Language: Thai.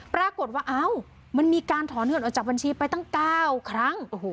ปรากฏว่ามันมีการถอนเงินออกจากบัญชีไปตั้ง๙ครั้ง